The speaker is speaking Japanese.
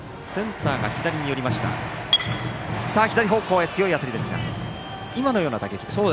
左方向への強い当たりでしたが今のような打撃ですか。